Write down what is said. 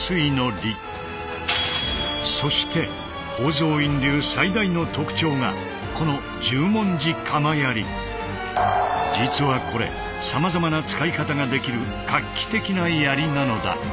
そして宝蔵院流最大の特徴がこの実はこれさまざまな使い方ができる画期的な槍なのだ。